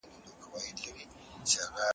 جلات خان او شمایله ښکلې کیسې لري.